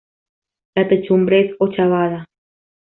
La techumbre es ochavada.